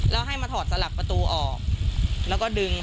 แล้วให้มาถอดสลักประตูออกแล้วก็ดึง